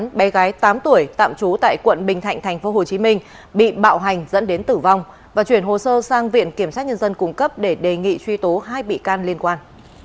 bé gái tám tuổi tạm trú tại quận bình thạnh tp hcm bị bạo hành dẫn đến tử vong và chuyển hồ sơ sang viện kiểm sát nhân dân cung cấp để đề nghị truy tố hai bị can liên quan